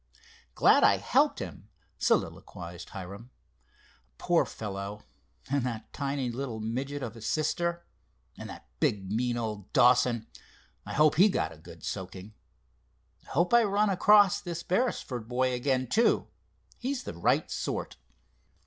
"Glad I helped him," soliloquized Hiram. "Poor fellow! And that tiny little midget of a sister! And that big, mean old Dawson! I hope he got a good soaking! Hope I run across this Beresford boy again, too. He's the right sort!"